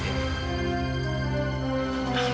nah udah berapa kan